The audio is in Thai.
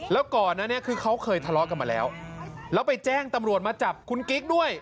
แล้วก่อนนั้นเนี่ยคือเขาเคยทะเลาะกันมาแล้วแล้วไปแจ้งตำรวจมาจับคุณกิ๊กด้วย